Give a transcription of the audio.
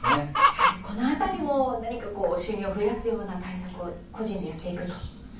やはり、この辺りも何か収入を増やすような対策を個人でやっていくと。